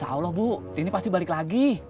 insya allah bu ini pasti balik lagi